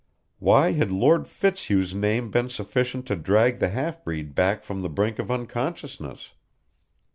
Why had Lord Fitzhugh's name been sufficient to drag the half breed back from the brink of unconsciousness?